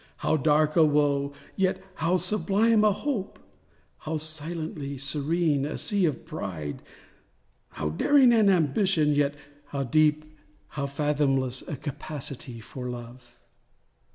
How dark a woe, yet how sublime a hope! How silently serene a sea of pride! How daring an ambition; yet how deep— How fathomless a capacity for love!